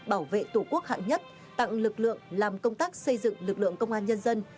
bảo vệ tổ quốc hạng nhất tặng lực lượng làm công tác xây dựng lực lượng công an nhân dân